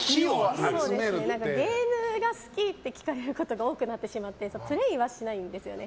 ゲームが好き？って聞かれることが多くなってしまってプレーはしないんですよね。